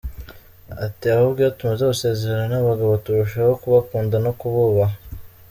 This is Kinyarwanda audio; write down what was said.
Ati “Ahubwo iyo tumaze gusezerana n’abagabo turushaho kubakunda no kububaha.